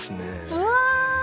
うわ！